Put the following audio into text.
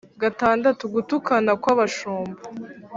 iv gutukana kw'abashumba